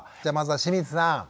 じゃあまずは清水さん